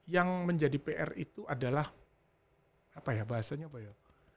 yang menjadi pr itu adalah apa ya bahasanya apa ya